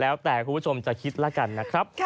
แล้วแต่คุณผู้ชมจะคิดแล้วกันนะครับ